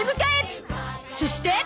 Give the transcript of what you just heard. そして